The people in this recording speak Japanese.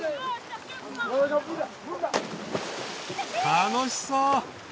楽しそう。